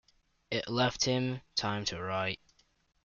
It left him time to write.